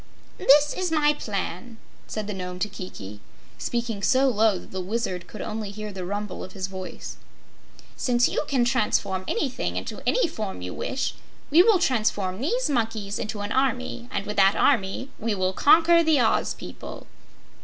"This is my plan," said the Nome to Kiki, speaking so low that the Wizard could only hear the rumble of his voice. "Since you can transform anything into any form you wish, we will transform these monkeys into an army, and with that army we will conquer the Oz people."